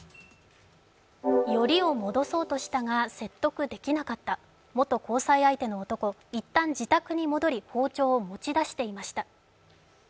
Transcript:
よりを戻そうとしたが説得できなかった、元交際相手の男、一旦自宅に戻り包丁を持ちだしていました。